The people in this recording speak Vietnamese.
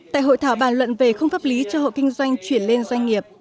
tại hội thảo bàn luận về không pháp lý cho hộ kinh doanh chuyển lên doanh nghiệp